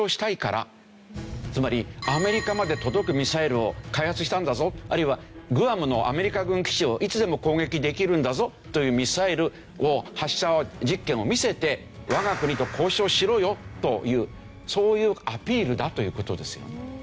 つまりアメリカまで届くミサイルを開発したんだぞあるいはグアムのアメリカ軍基地をいつでも攻撃できるんだぞというミサイル発射実験を見せて我が国と交渉しろよというそういうアピールだという事ですよ。